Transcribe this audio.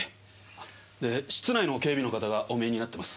室内の警備の方がお見えになってます。